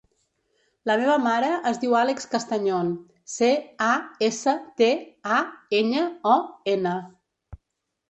La meva mare es diu Àlex Castañon: ce, a, essa, te, a, enya, o, ena.